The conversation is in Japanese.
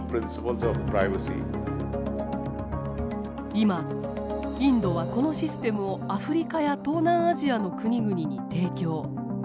今インドはこのシステムをアフリカや東南アジアの国々に提供。